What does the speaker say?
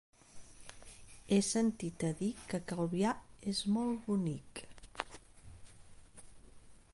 He sentit a dir que Calvià és molt bonic.